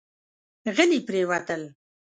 غلي پرېوتل.